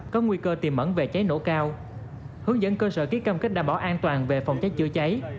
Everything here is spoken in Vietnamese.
có nguy cơ tiềm mẩn về cháy nổ cao hướng dẫn cơ sở ký cam kết đảm bảo an toàn về phòng cháy chữa cháy